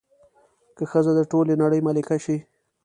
که ښځه د ټولې نړۍ ملکه شي